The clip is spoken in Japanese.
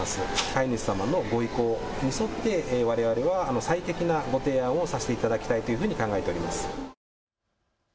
飼い主様のご意向に沿ってわれわれは最適な提案をさせていただきたいと考えております。